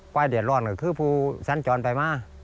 กว้ายเด็ดร่อนก็คือผู้สั้นจรไปมา